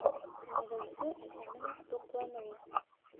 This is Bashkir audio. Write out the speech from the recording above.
Имеҙеүсе әсәнең туҡланыуы